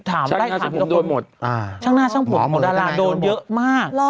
ถามได้ช่างหน้าช่างผมโดนหมดอ่าช่างหน้าช่างผมหมดอาราชโดนเยอะมาก